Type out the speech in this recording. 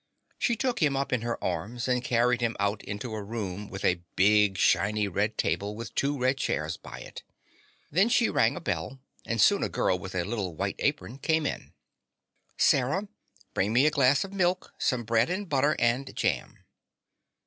She took him up in her arms and carried him out into a room with a big shiny red table with two red chairs by it. Then she rang a bell and soon a girl with a little white apron came in. "Sarah, bring me a glass of milk, some bread and butter and jam."